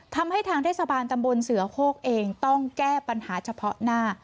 ทางเทศบาลตำบลเสือโคกเองต้องแก้ปัญหาเฉพาะหน้า